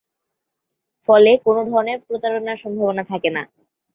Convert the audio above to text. ফলে কোনও ধরনের প্রতারণার সম্ভাবনা থাকে না।